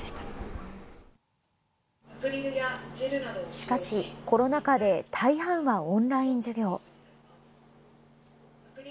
しかし、コロナ禍で大半はオンライン授業。